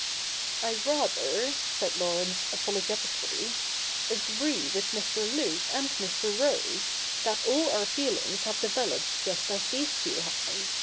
' I rather,' said Laurence apologetically, ' agree with Mr. Luke and Mr. Rose, that all our feelings have developed just as these two have.